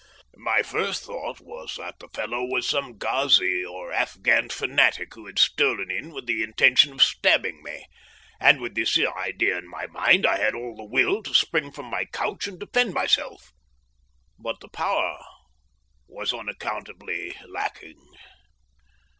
My first thought was that the fellow was some Ghazi or Afghan fanatic who had stolen in with the intention of stabbing me, and with this idea in my mind I had all the will to spring from my couch and defend myself, but the power was unaccountably lacking.